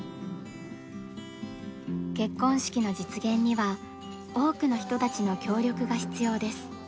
結婚式の実現には多くの人たちの協力が必要です。